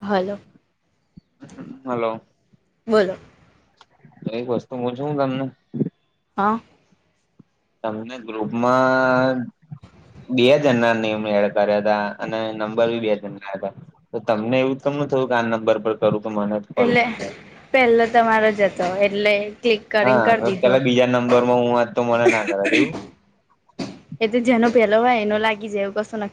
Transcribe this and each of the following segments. Hello, hello બોલો એક વસ્તુ હું પૂછું તમને હા. તમને ગ્રુપમાં બે જણના નેમ એડ કર્યા હતા અને નંબર બી બે જણ ના હતા તો તમને એવું થયું કે આ નંબર પર કરું કે મને જ કોલ એટલે કર પેલો તમારો જ હતો, એટલે ક્લિક કરીને હા, હ કરી દીધો પેલા બીજા નંબર માં હું વાત તો મને ના કરત એવુ. એ તો જેનો પહેલો હોય એનો લાગી જાય એવુ કસો નાહ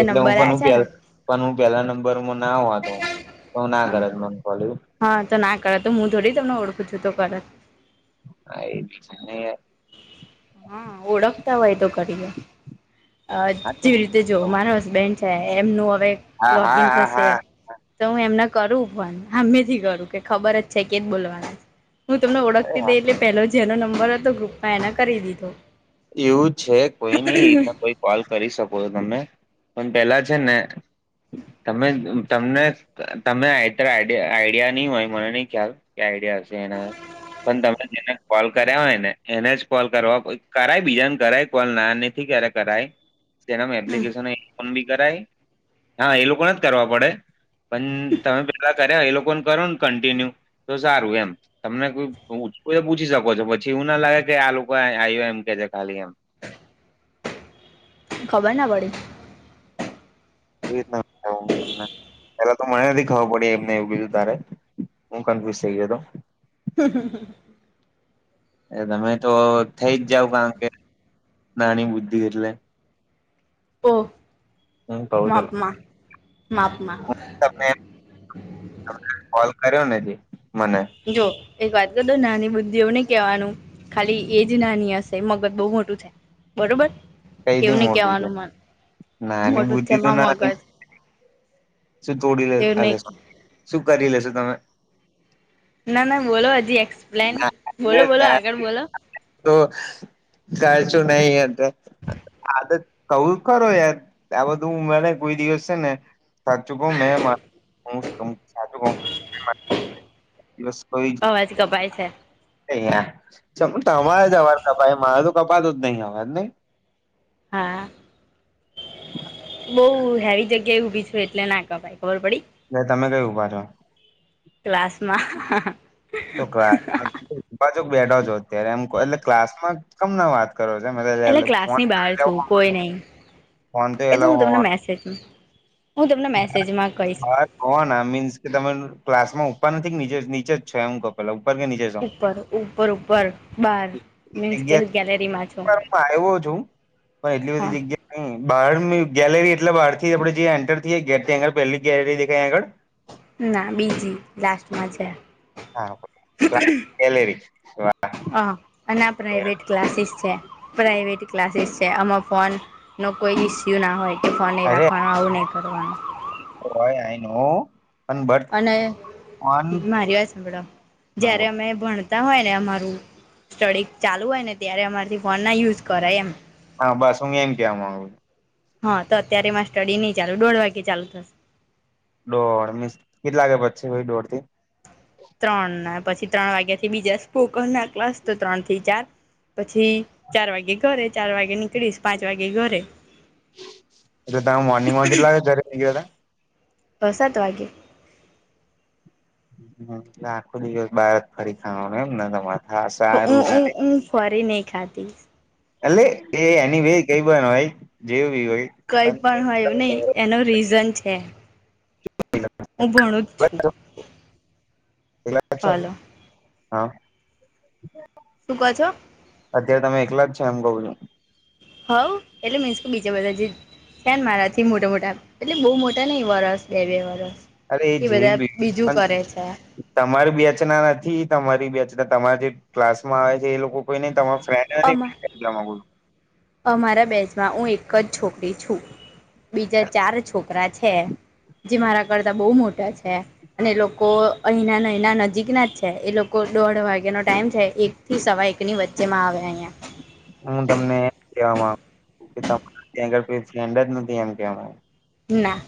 એટલે હું પણ પેલ પણ હું પેલા નંબર ના હોતો તો ના હા કરત મન હા તો ના કર તો મું જોડી તમને ઓળખું છું તો કરત આ હા ઓળખતા હોય તો કરીએ. અ હા તો જેવી રીતે જો મારા હસબેન્ડ છે એમનું હા હા લોગિન હા થશે હા તો હું એમના કરુ પણ હામેથી કરું કે ખબર જ છે કેજ બોલવાના છે. હું તમને અરે ઓળખતી હા દઈ એટલે પેલો જેનો નંબર હતો ગ્રુપમાં એને કરી દીધો એવું છે કોઈ નહી એના કોઈ કોલ કરી શકો છો તમે પણ પેલા છે ને તમે તમને તમે આત આઈડિયા નહી હોય મને નહી ખ્યાલ કે આઈડ એના પણ તમે જેને કોલ કર્યા હોય ને એને જ કોલ કરવા કરાય બીજાને કરાય કોલ ના નથી ક્યારે કરાય જેના એપ્લિકેશની હા એ લોકો જ કરવા પડે પણ તમે પે કર એ લોકોને કરો ને કન્ટિન્યુ તો સારું એમ તમને પૂછી શકો છો પછી એવું ના લાગે કે આ લોકો આયો એમ કે છે ખાલી એમ ખબર ના પડી એવી રીત પેલા તો મને નથી ખબર પડી એમને એવું બીધું તારે હું કન્ફ્યુઝ થઇ ગયો હતો હ. એ તમે તો થઈ જ જાાવ કારણ કે નાની બુદ્ધિ એટલે ઓહ હું કઉ ચલો માપમાં માપમાં તમને કોલ કર્યો ને જે મને જો એક વાત તો નાની બુદ્ધિઓ નને કવાનું ખાલી એજ નાની હશે મગજ બહુ મોટું થાય બરોબર એવું કઈથી નહી મોટું છે કેવાનું મન નાની મોટું બુદ્ધિ તો થમાં મગજ નાની શું તોડી લે એવું લ નહી શું કરી લેેશો તમે ના ના બોલો હજી એકસપ્લેન બોલો બોલો ના આગળ બોલો નઈ અંત કવું કરરો યાર આ બધું ઉમેરે કોઈ દિવસ છે ને સા ચુક મે મા અવાજ કપાય છે તમારે અવાજ કપાય મારે તો કપાતો જ નહી અવાજ નહી હા. બઉુ હેવી જગ્યાએ ઉભી છુ એટલે ના કપાય ખબર પડી એ તમે કઈ ઉભા છો ક્લાસ માં તો કલાસમા બેઠા છો અત્યારે એમ એટલે ક્લાસ માં કમ ના વાત કરો છે મ એટલે ક્લાસની બહાર ફે છું કોઈ નહીં ફોન તો એ એલાવ હું તમને હોવાનું મેસેજ હું તમને મેસેજમાં કહીશ હ હ કો ના મીન્સ કે તમે ક્લાસમાં ઉપર નથી નીચે નીચે જ છો એમ કવ પેલા ઉપર કે નીચે છો ઉપર ઉપર ઉપર બાર મીન્સ કે ગેલેરીમાં છો જગ્યા હું આવ્યો છું પણ એટલી હા બધી જગ્યા ન બહાર ની ગેલેરી એટલે બહાર થી આપણે જે એન્ટર થએ ગેટ થી આગળ પહેલી ગેલેરી દેખાય આગળ ના બીજી લાસ્ટમાં છે. હા. હ અને આ પ્રાાઈવેટ ક્લાસીસ છે પ્રાાઈવેટ ક્લાસીસ તે આમાં ફોનનો કોઈ ઇસ્યુ ના હોય ફાની અરે રાખવા ઉ ન કરવ [unintelligible] હ અને મારી વાત સાંભળો જયારે અમે ભણ તા હોય ને અમારું સ્ટડી ચાલુ હોય ને ત્યારે અમારાથી ફોન ના યુઝ કરે એમ હા બસ હું એમ કેવામાગુ હા તો અત્યારેમાં સ્ટડી નહી ચાલુ દોઢ વાગે ચાલુ થશે દોડ મીસ કેટલા કે પચ છે ભ દોર થી ત્રણ ના પછી ત્રણ વાગ્યા થી બીજા સ્પોકન ના ક્લાસ તો ત્રણ થી ચાર. પછી ચાર વાગે ઘરે ચાર વાગે નીકળીશ પાંચ વાગે ઘરે. અ તમે મોર્નિંગ માં કેટલા ઘ ગયા. બ સાત વાગ્યે. આખો દિવસ બાર ફરી ખાવાનું એમને તમારે. હા ઉ સારું ઉ ઊ ફરી નહ ખાતી. એ એ એની બે કઈ પણ હોય જે. કઈ પણ હોય એવું નહી એનું રીઝન છે [inaudible] હું ભણું જ છું. એ હલો હા. શું ક છો. અત્યારે તમે એકલા જ છે એમ કઉ છું. હવ એટલે મીન્સ બીજા બધા જ. કન મારા થી મોટા મોટા એટલે બહુ મોટા નને વરસ બે બે વરસ. અરે એ જે બધા બી બીજું પણ કરે છે તમારી બેચના નથી તમારી બેચ. એ તમારે જે ક્લાસ માં આવે છે એ લોકો કોઈ નહી તમા ફ્રેન્ડ અમા એલા. અમારા બેજમાં હું એક જ છોકરી છું. બીજા ચાર છોકરા છે. જે મારા કરતા બહુ મોટા છે અને એ લોકો અહીંના અહીના નજીક ના જ છે એ લોકો. દોઢ વાગ્યાનોો ટાઈમ છે એક થી સવા એકની વચ્ચે માં આવે અહં. હું તમને એમ કેવા ગુ છ કે ત્યાં આગળ કોઈ ફ્રેન્ડ જ નથી એમ કેવા. ના.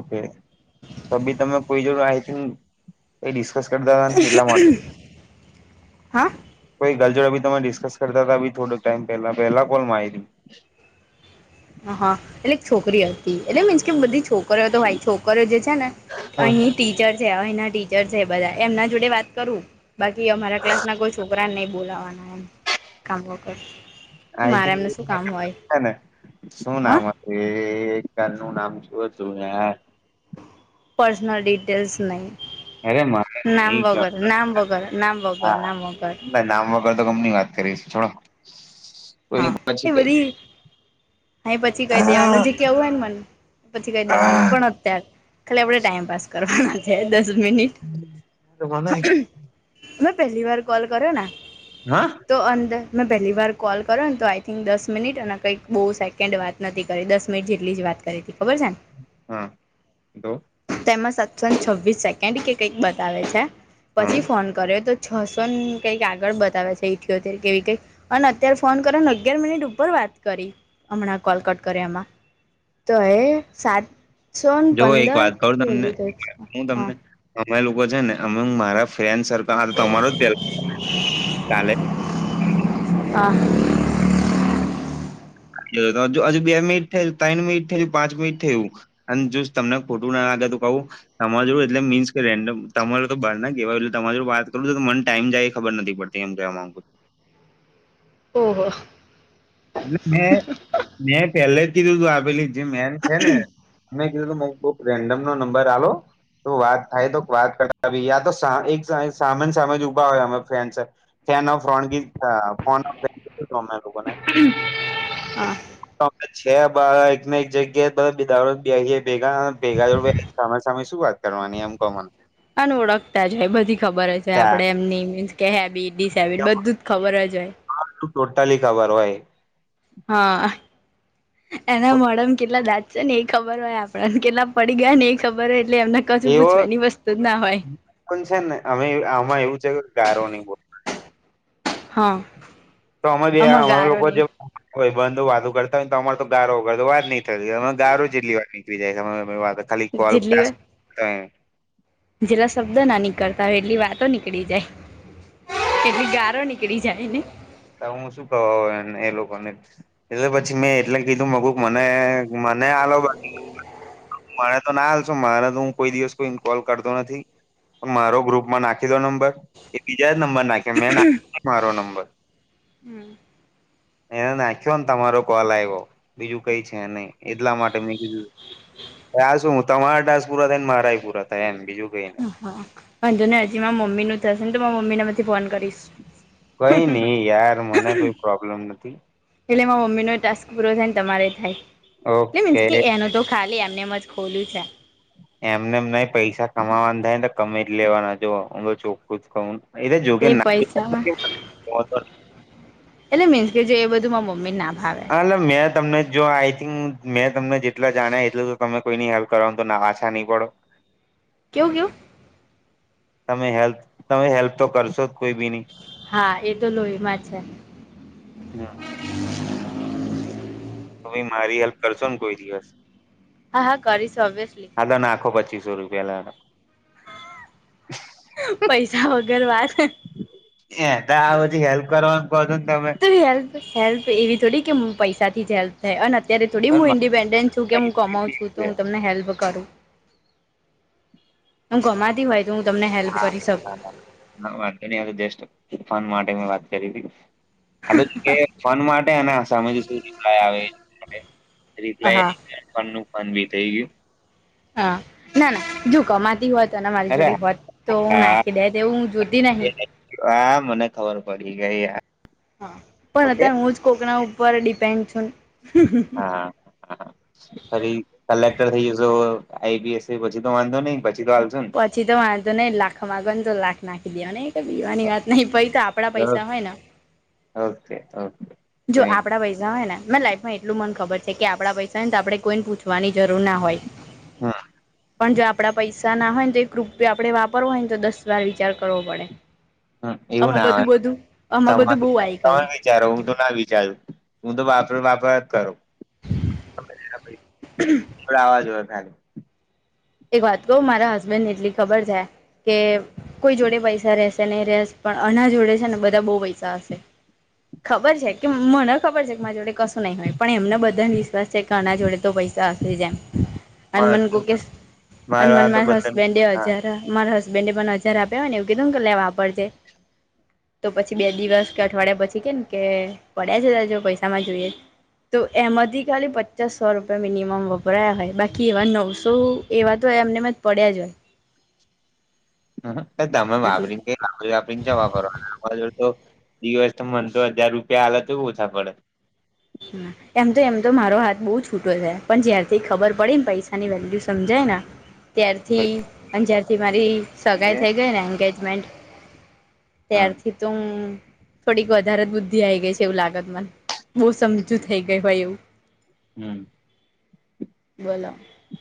ઓકે તો બી તમે કોઈ જોડ આઈ થિક એ. એટલા માટે હા કો. ગલજોડ બી તમે ડિસ્કસ કરતાતા અબી થોડોક ટાઈમ પેહ્લા, પેલા કોલ મારી હ હા એટલે એક છોકરી હ એટલે મીન્સ કે બધી છોકરિયો તો હોય, છોકરિયો જે છે ને અહીની ટીચર છે અહીંના ટીચર છે બધા એમના જોડે વાત કરું બાકી અમારા ક્લાસ ના કોઈ છોકરાને નહી બોલાવાના એમ. કામ વખર આઈ મારે થિંક એમને શું કામ હોય. છે ને શું હા નામ હતું એ એક ક નું નામ જોયું હતું યાર. પર્સનલ િટેલ્સ નહી. અરે મારે નામ વગર નામ વગર નામ વગર હા નામ વગર તો કંપની વાત કરીશ. થોડાો. હા એ બધી હ પછી કઈ મને દેવાનું જે કવું હોય ને મને. પછી કઈ દેવાનું પણ અત્યારે ખાલી આપણે ટાઈમ પાાસ કરવાના છે દસ મિનિટ. હ તોકના એક. પ પ. પરંતુ આઈ થિંક દસ મિનિટ અને કંઈક બહુ સેકન્ડ વાત નથી કરી દસ મિનિટ જેટલી જ વાત કરીે હતી. ખબર છેને હા તો તેમાં. ઓ્શન છવ્વીસ સેકન્ડ કે કંઈક બતાવે છે હા પછી ફોન કર્યો તો. છસો ને કઈક આગળ બતાવે છે ઈઠત કેવી કઈ અને અત્યારે. ફોન કરેને અગિયાર મિનિટ ઉપર વાત કરી હમણાં કોલ કટ કર્યા એમાં. તો એ સાતસો જો એક પંદર વાત કહું તમને કેવીઈ છે હું હા. તમને અમે લોકો છે ને અમે મારા ફ્રેન્ડ સર્કલ આ તમારો જ [inaudible] પેલા ચાલે. આહ. હજુ બે મિનિટ થય ત્રણ મિનિટ થયું પાંચ મિનિટ થયું અને જો તમને ખોટું ના ના લાગે તો કહું એમાં જો એટલે મીન્સ કે રેન્ડમ તમારે તો બાર ના કેવાય તમાર જોડ વાત કરું મન ટાઈમ જાય ખબર નથી પડતી એમ કેહવા માંગુું. ઓહો. એટલે મેં મેં પેહ્ લે જ કીધુંતું, આ પેલી જે મેન છે ને મેં [unintelligible] કોક રેન્ડમનો નંબર આલો. તો વાત થાય તો વાત કરાવી યા તો એક સામેની સાઇડ જ ઉભા હોય અમેં ફન્સ ફેન ઓફ રોનડી અ ફો [unintelligible] અમેને. હા. છે બાર એકને એક જગ્યા દાળો બે ભેગા ભેગા જો સામે સામે શું વાત કરવાની એમ કહો મન. અને ઓળખતા જ હોય બધી ખબર જ હોય આપડે એમની મીન્સ કે હેબીટ ડિસ હેબિટ બધું જ ખબર જ હોય. આ તો ટોટલી ખબર હોય. હા. એના મોઢાંમ કેટલા દાંત છન, એ ખબર હોય આપડાન કેટલા પડી ગયાન એઈ ખબર હોય. એટલે એમને કશું એવો પૂછવાની વસ્તુ જ ના હોય પણ છે ને અમે આમાં એવું છે ગારો નહી બોલવાની. હા. તો અમે જે આ આમાં અમે ગારો લોકો જે નહી ભાઈબંધો વાતુ કરતા હોય ને તો અમાર તો ગારો વગર તો વાત નહીં થતી અમે ગારો ચેટલી વાર નીકરી જાય છે અમે અમે વાત ખાલી કોલ જેટલી ટાસ્ક અ જેટલા શબ્દો ના નીકળતા હોય એટલી વાતો નીકળી જાય. એટલી ગારો નીકળી જાય નય? તો હું શું કવ હવે એને એ લોકોને, એટલે પછી મેં એટલે કીધું મકુ મને મ અને આ લોકો [unintelligible] મને તો ના આલશો મારે તો હું કોઈ દિવસ કોઈન કોલ કરતો નથી. મારો ગ્રુપમાં નાખી દો નંબર એ બીજા નંબર નાખે મે નાખ મારો નંબર. એને નાખ્યો ને તમારો કોલ આવ્યો બીજું કઈ છે નહી એટલા માટે મેં કીધું. હમ. હ શું હું તમારદાસપુર હતા ને મારાયપુર હતા એમ બીજું કઈ. નહી હા પણંધુ ને હજી મારા મમ્મી નું થશે ને તો મમ્મી માંથી ફોન કરીશ. કઈ નઈ યાર મને કોઈ પ્રોબ્લેમ નથી. એટલે માર મમ્મી નોય ટાસ્ક પૂરો થાય ને તમારે થાય, એટલે મીન્સ ઓકે કે એનું તો ખાલી એમ એમ જ ખોલ્યું છે. એમને એમ નય, પૈસા કમાવાન થાય ને કમે જ લેવાના જો હું તો ચોખ્ખું જ કવ હું એ જો કે તે પૈસામાં [inaudible] ઓધો નય. એટલે મીન્સ કે જે એ બધું માર્ મમ્મીન ના ભાવે હાલા મેં તમને જો આઈ થિંક મેં તમને જેટલા જાણ્યા એટલ તો તમે કોઈની હેલ્પ કરવાનું તો ના પાછા નહી પડો. કેવું કેવું? તમે હેલ્પ તમે હેલ્પ તો કરશો જ કોઈ બીની. હા એ તો લોહીમાં છે. હમ. તમે મારી હેલ્પ કરશોન કોઈ દિવસ? હા હા કરીશ ઓવીઅસલી. હા તો [unintelligible] એ પૈસા વગર વાત તો આ બધી હેલ્પ કરવાનું કો છોન તમે. હેલ્પ હેલ્પ તો એવી થોડી કે હ પૈસાથી જે હલ્પ થાય અને. અત્યારે થોડી પણ હું ઇન્ડિપેન્ડન્ટ છું કે મારા હું કમાવું છું તો પૈસા હું તમને હેલ્પ કરું. હું કમાતી હોય તો હું તમને હેલ્પ કરી શકું વાંધાની જષઠ. ફન માટે મેં વાત કરી હતી. આ ફોન માટેને સામે થી શું રિપલાય આવે. રિપ્લાય હા નું ફન બી થઈ ગયું. હા ના ના જો કમાતી હોત તને મારી અરે જોડી હોત તો હું હા નાખી દેત એવુ હું જોતી નહી હા મને ખબર પડી ગઈ આ હા પણ અત્યારે હું જ કોકના ઉપર ડિપેન્ડ છુંન હા હા ફરી કલે ટર થઈ જશો આઈપીએસ સી પછી તો વાંધો નઈ ન પછી તો વાંધો નહિ લાખ માંગો ને તો લાખ નાખી દેવાન એ કઈ બીવાની વાત નઈ પ તો આપડા ને પૈસા હોય ન ઓકે ઓકે જો આપડા પૈસા હોય ને મે લાઈ એટલું મન ખબર છે કે આપડા પૈસા ને તો આપણે કોઈને પૂછવાની જરૂર ના હોય હા. પણ જો આપડા પૈસા ના હોય ને તો એક રૂપયો આપડે વાપરવો હોય ને તો દસ વાર વિચાર કરવો પડે હ એવું આમાં ના આવે બધું બધું આમાં તમા બધું બહુ આવી ગયું તમે વિચારો તો ના વિચાર્યું હું તો વાપર વાપર જ કરુ [inaudible] [inaudible] ખાલી એક વાત કહું મારા હસબેન્ડને એટલી ખબર છે કે કોઈ જોડે પૈસા રશે નહી ર રહેશે પણ આના જોડે છે ને બધા બહુ પૈસા હશે ખબર છે કે મને ખબર છે કે માર જોડે કશું નહીં હોય પણ એમને બધાને વિશ્વાસ છે કે આના જોડે તો પૈ સા હસે જ એમ અન મન કોકે સ અન મન મારા તો માર હસબન્ડ એ બધા હજાર હસબન્ડે પણ હજાર આપ્યા હોય ને એવુ કીધુ ને કે લે વાપરજે તો પછી બે દિવસ- અઠવાડિયા પછી કે ને કે પડ્યા છે ત જો પૈસામાં જોઈએ છે. તો એમાંથી ખાલી પચાસ સો રૂપિયા મિનિમમ વપરાયા હોય બાકી એવા નવસો એવા તો એમને મ જ પડ્યા જ હોય તમે નથી વાપરી ને વાપરીને વાપરીને ચ્યો વાપરવાના તો દિવસ તો મન તો હજાર રૂપિયા આલે તોય ઓછા પડે હ એમ તો એમ તો મારો હાથ બહુ છૂટો છે પણ જ્યારથી ખબર પડી ને પૈસાની વેલ્યુ સમજાય ત્યારથી અને જ્યારથી મારી સગાઈ થઈ ગઈ ને એંગેજમેન્ટ ત્યારથી તો થોડીક વધારે જ બુદ્ધિ આ ગઈ છે એવું લાગછ મન સમજુ થઈ ગયું હોય એવું હમ. બોલો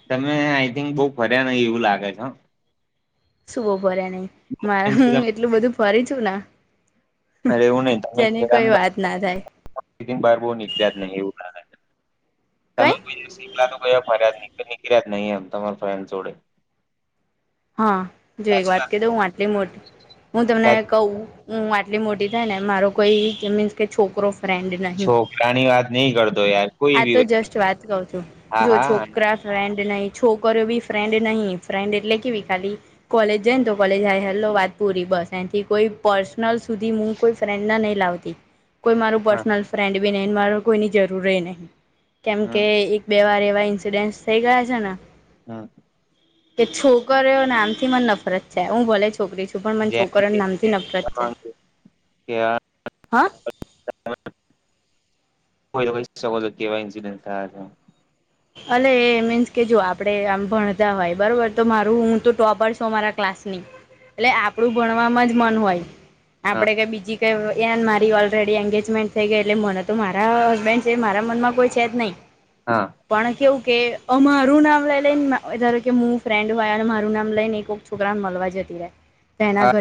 તમે આઈ થિંક બઉ ફર્યા નહી એવું લાગે છે હો સુ બો ફરયા નહી મારા હું એટલું બધું ફરી છું અરે એવું નહિ તમે જેની કોઈ વાત ના થાય ખેને બાર બહુ નીકળ્યા જ નહી એવું લાગે કઈ તમે કોઈ દિવસ શિમલા તો કોઈ ફરિયાજ નઈ હોય કે નિકળ્યા જ નહી એમ તમાર ફ્રેન્ડ જોડે હા જો એક વાત ક દઉ હું આટલી મોટી હું તમને સાચી ક વાત. હું એટલી મોટી થાય ને મારો કોઈ મીન્સ કે છોકરો ફ્રેન્ડ નહી છોકરાની વાત નહી કરતો યાર કોઈ આ બી તો હોય જસ્ટ વાત કહુ છું હા જો હા છોકરા ફ્રેન્ડ નહી છોકરી બી ફ્રેન્ડ નહીં ફ્રેન્ડ એટલે કેવી ખાલી કોલેજ જઈ ને તો કોલેજ હાય હેલો વાત પૂરી બસ એનથી કોઈ પર્સ નલ સુધી કોઈ ફ્રેન્ડ ને નહી લાવતી કોઈ મારું હા પર્સનલ ફ્રેન્ડ બી નહી મા કોઈની જરૂર નહી હમ કેમકે એક બે વાર એવા ઇન્સિડેન થઇ ગયા છે ન હમ. નામથી મને નફરત છે હું ભલે છોકરી છું પણ મને જેમ છોકરીઓન કે નામથી નફરત છે. કે હા [inaudible] કહી શકો કેવા ઇન્સિડન થયા છે અ એ મીન્સ કે જો આપડે આમ ભણતા હોય બરોબર તો મારું હું તો ટોપરસ મારા ક્લા સની એટલે આપડું ભણવાવામા જ મન હોય હા આપડે કઈ બીજી કે એન મારી ઓલરેડી એંગેજમેન્ટ થઈ ગઈ એટલે મને તો મારા હસબેન્ડ છે મારા મનમાં કોઈ છે જ નહીં હા પણ કેવું કે અમારું નામ લઈ લઈને ધાર કેું ફ્રેન્ડ હોય અને મારું નામ લઈ ને એક છોક મળવા જતી રહે તેના ઘરે